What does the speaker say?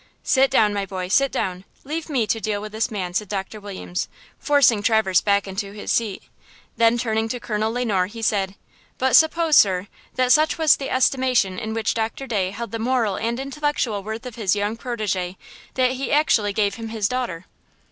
"Sit down, my boy, sit down; leave me to deal with this man," said Doctor Williams, forcing Traverse back into his seat. Then, turning to Colonel Le Noir, he said: "But suppose, sir, that such was the estimation in which Doctor Day held the moral and intellectual worth of his young protégé that he actually gave him his daughter?"